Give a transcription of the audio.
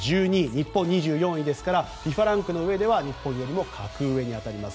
日本は２４位ですからＦＩＦＡランクの上では日本よりも格上に当たります。